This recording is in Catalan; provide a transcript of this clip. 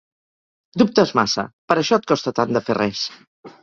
Dubtes massa: per això et costa tant de fer res!